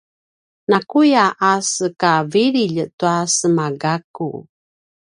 nakuya a sekavililj tua semagakku